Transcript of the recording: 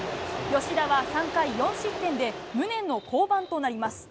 吉田は３回４失点で、無念の降板となります。